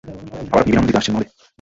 আবার আপনি, বিনা অনুমতিতে, আসছেন মহলে?